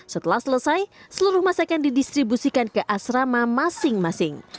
setelah selesai seluruh masakan didistribusikan ke asrama masing masing